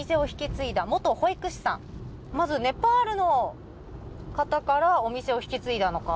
まずネパールの方からお店を引き継いだのか。